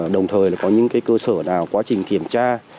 đồng thời là có những cơ sở nào quá trình kiểm tra